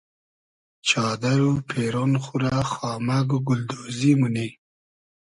چادئر و پېرۉن خو رۂ خامئگ و گولدۉزی مونی